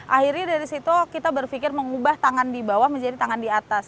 akhirnya dari situ kita berpikir mengubah tangan di bawah menjadi tangan di atas